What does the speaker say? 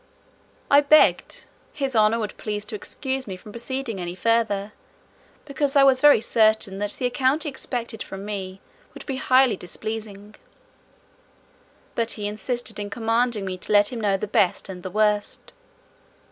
I begged "his honour would please to excuse me from proceeding any further, because I was very certain that the account he expected from me would be highly displeasing." But he insisted in commanding me to let him know the best and the worst.